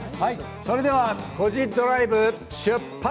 それでは「コジドライブ」出発！